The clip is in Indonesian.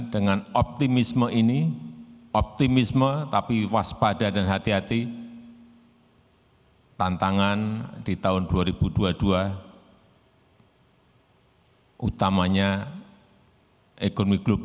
dengan optimisme ini optimisme tapi waspada dan hati hati tantangan di tahun dua ribu dua puluh dua utamanya ekonomi global